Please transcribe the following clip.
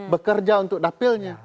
bekerja untuk dapilnya